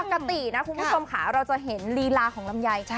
ปกตินะคุณผู้ชมค่ะเราจะเห็นลีลาของลำไย